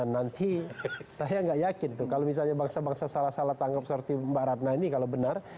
nanti saya nggak yakin tuh kalau misalnya bangsa bangsa salah salah tanggap seperti mbak ratna ini kalau benar